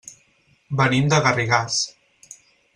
Venim de Garrigàs.